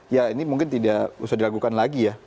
ya ini mungkin tidak usah dilakukan lagi ya